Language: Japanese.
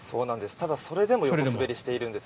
ただそれでも横滑りしているんです。